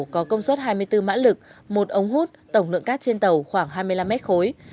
cát trên tàu khoảng hai mươi năm mét khối